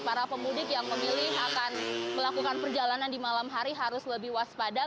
para pemudik yang memilih akan melakukan perjalanan di malam hari harus lebih waspada